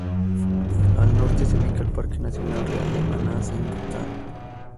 Al norte se ubica el Parque Nacional Real de Manas, en Bután.